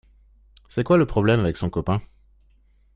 C’est quoi, le problème, avec son copain?